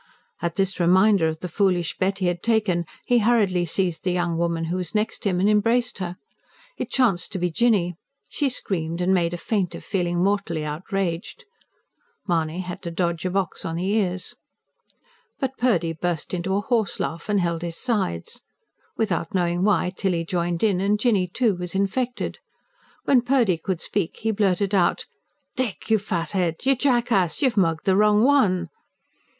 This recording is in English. At this reminder of the foolish bet he had taken, he hurriedly seized the young woman who was next him, and embraced her. It chanced to be Jinny. She screamed, and made a feint of feeling mortally outraged. Mahony had to dodge a box on the ears. But Purdy burst into a horselaugh, and held his sides. Without knowing why, Tilly joined in, and Jinny, too, was infected. When Purdy could speak, he blurted out: "Dick, you fathead! you jackass! you've mugged the wrong one."